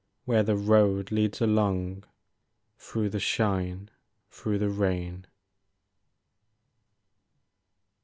Where the road leads along Through the shine, through the rain.